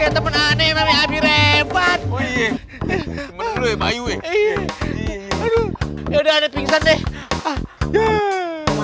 temen temen aneh aneh habis rempah